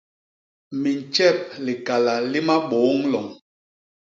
Mintjep likala li Mabôñ-loñ.